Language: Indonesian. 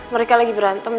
mereka lagi berantem dan